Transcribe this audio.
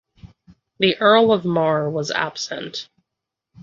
The Earl of Mar was absent.